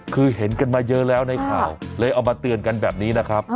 คือเห็นกันมาเยอะแล้วในข่าวเลยเอามาเตือนกันแบบนี้นะครับ